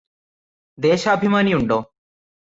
ദേശാഭിമാനിയുണ്ടോ